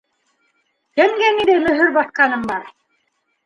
Кемгә ниндәй мөһөр баҫҡаным бар?